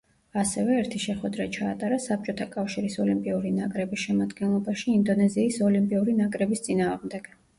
ასევე, ერთი შეხვედრა ჩაატარა საბჭოთა კავშირის ოლიმპიური ნაკრების შემადგენლობაში ინდონეზიის ოლიმპიური ნაკრების წინააღმდეგ.